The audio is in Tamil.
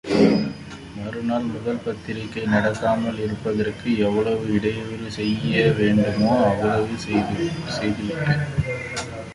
மறுநாள் முதல் பத்திரிகை நடக்காமல் இருப்பதற்கு எவ்வளவு இடையூறு செய்யவேண்டுமோ அவ்வளவையும் செய்துவிட்டு, அவர்கள் வெளியேறிச்சென்றனர்.